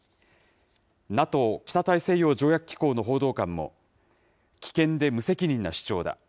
ＮＡＴＯ・北大西洋条約機構の報道官も、危険で無責任な主張だ。